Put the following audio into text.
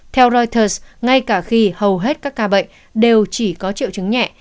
theo reuters ngay cả khi hầu hết các ca bệnh đều chỉ có triệu chứng nhẹ